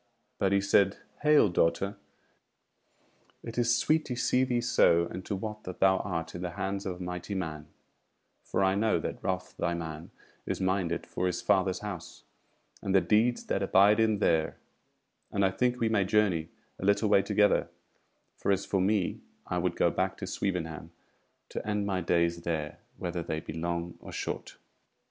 But he said: "Hail, daughter! It is sweet to see thee so, and to wot that thou art in the hands of a mighty man: for I know that Ralph thy man is minded for his Father's House, and the deeds that abide him there; and I think we may journey a little way together; for as for me, I would go back to Swevenham to end my days there, whether they be long or short."